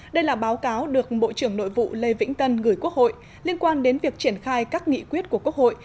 đây là báo cáo được bộ trưởng nội vụ lê vĩnh tân gửi quốc hội liên quan đến việc triển khai các nghị quyết của quốc hội